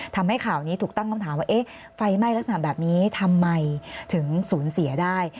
ทำให้ข่าวนี้ถูกตั้งคำถามว่าเอ๊ะไฟไหม้ลักษณะแบบนี้ทำไมถึงสูญเสียได้